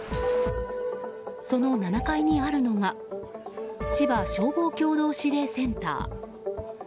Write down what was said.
その７階にあるのがちば消防共同指令センター。